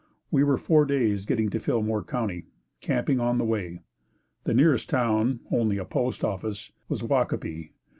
We were four days getting to Fillmore County, camping on the way. The nearest town, only a post office, was Waukopee.